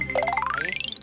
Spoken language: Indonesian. naik keret aduh masuk